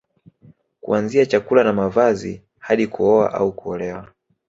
Kuanzia chakula na mavazi hadi kuoa au kuolewa